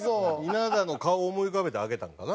稲田の顔を思い浮かべて開けたのかな？